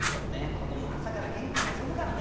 子ども朝から元気に遊ぶからね。